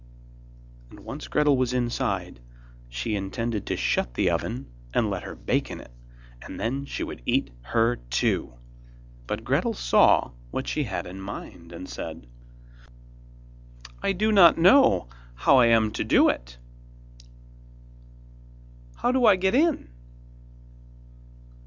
And once Gretel was inside, she intended to shut the oven and let her bake in it, and then she would eat her, too. But Gretel saw what she had in mind, and said: 'I do not know how I am to do it; how do I get in?